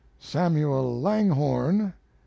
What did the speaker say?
SAMUEL LANGHORNE.